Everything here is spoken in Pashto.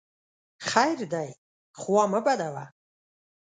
خیر دی خوا مه بدوه !